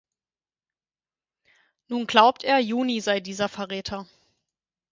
Nun glaubt er, Juni sei dieser Verräter.